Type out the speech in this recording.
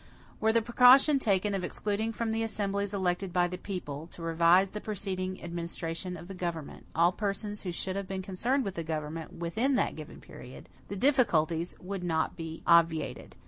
Were the precaution taken of excluding from the assemblies elected by the people, to revise the preceding administration of the government, all persons who should have been concerned with the government within the given period, the difficulties would not be obviated.